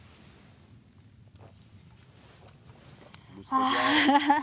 ああ！